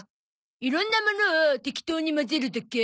色んなものを適当に混ぜるだけ。